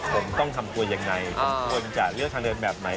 ผมต้องทำครัวยังไงผมต้องจะเลือกทางเลือกแบบใหม่